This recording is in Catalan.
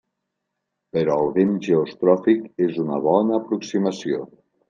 Però el vent geostròfic és una bona aproximació.